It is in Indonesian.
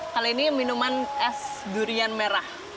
kali ini minuman es durian merah